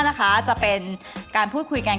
นะคะจะเป็นการพูดคุยกัน